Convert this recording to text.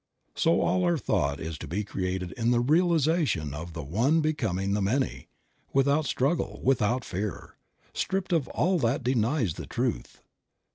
So all our thought is to be created in the realization of the One becoming the many, without struggle, without fear; stripped of all that denies the truth.